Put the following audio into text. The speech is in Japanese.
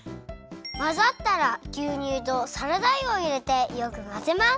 まざったらぎゅうにゅうとサラダ油をいれてよくまぜます。